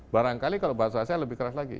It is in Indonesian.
barangkali kalau bahasa saya lebih keras lagi